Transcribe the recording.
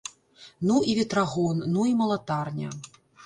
Ну і ветрагон, ну і малатарня!